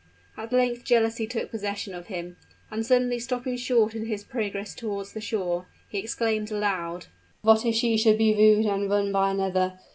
At length jealousy took possession of him; and suddenly stopping short in his progress toward the shore, he exclaimed aloud, "What if she should be wooed and won by another?